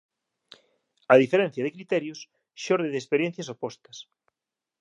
A diferenza de criterios xorde de experiencias opostas